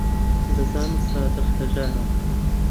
دەزانم سادق هەژارە.